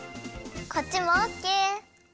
こっちもオッケー！